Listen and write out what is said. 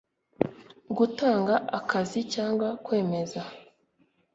Gutanga akazi cyangwa kwemeza